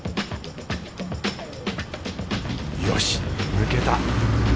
よし抜けた。